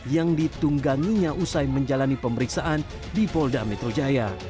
yang ditungganginya usai menjalani pemeriksaan di polda metro jaya